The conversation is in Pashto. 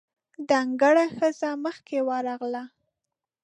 ډنګره ښځه مخکې ورغله: